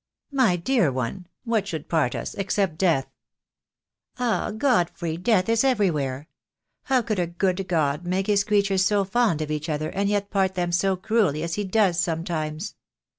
"My dear one, what should part us, except death?" "Ah, Godfrey, death is everywhere. How could a good God make His creatures so fond of each other and yet part them so cruelly as He does sometimes?"